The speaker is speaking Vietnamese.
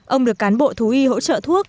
ông được cán bộ thú y hỗ trợ thuốc